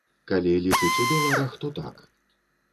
Калі лічыць у доларах, то так.